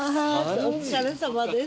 お疲れさまです。